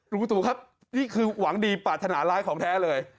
ลุงประตูครับนี่คือหวังดีปรารถนาร้ายของแท้เลย